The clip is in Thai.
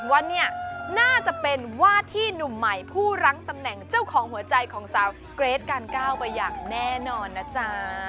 ว่าเนี่ยน่าจะเป็นว่าที่หนุ่มใหม่ผู้รั้งตำแหน่งเจ้าของหัวใจของสาวเกรทการก้าวไปอย่างแน่นอนนะจ๊ะ